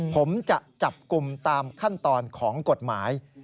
ผมจะจับกลุ่มตามขั้นตอนของกฎหมาย